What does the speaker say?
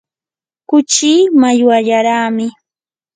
kuchii mallwallaraami.